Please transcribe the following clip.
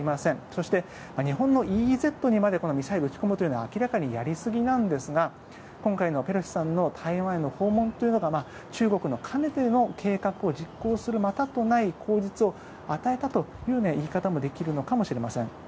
そして日本のＥＥＺにまでミサイルを撃ち込むというのは明らかにやりすぎなんですが今回のペロシさんの台湾への訪問というのが中国のかねての計画を実行するというまたとない口実を与えたというような言い方もできるのかもしれません。